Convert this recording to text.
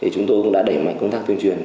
chúng tôi cũng đã đẩy mạnh công tác tuyên truyền